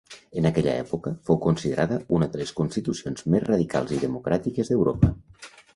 En aquella època, fou considerada una de les constitucions més radicals i democràtiques d'Europa.